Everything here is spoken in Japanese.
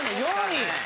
４位。